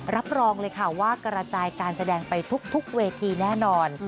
รับรองเลยค่ะว่ากระจายการแสดงไปทุกเวทีแน่นอน